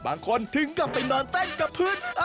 บางคนถึงกลับไปนอนแต้งกับพืช